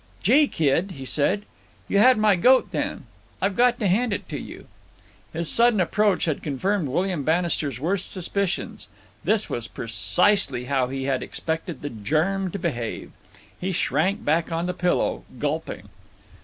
"Gee, kid!" he said, "you had my goat then. I've got to hand it to you." His sudden approach had confirmed William Bannister's worst suspicions. This was precisely how he had expected the germ to behave. He shrank back on the pillow, gulping.